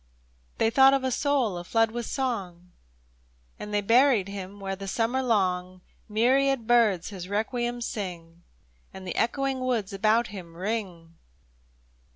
They thought of a soul aflood with song, And they buried him where the summer long 148 BURIAL OF STEVENSON AT SAMOA Myriad birds his requiem sing, And the echoing woods about him ring